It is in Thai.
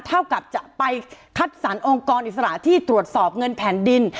เท่ากับจะไปคัดสรรองค์กรอิสระที่ตรวจสอบเงินแผ่นดิน